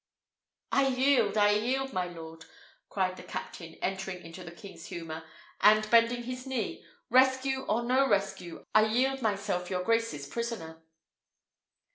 "I yield, I yield, my lord!" cried the captain, entering into the king's humour, and bending his knee. "Rescue or no rescue, I yield myself your grace's prisoner."